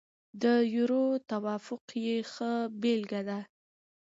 د یورو توافق یې ښه بېلګه ده.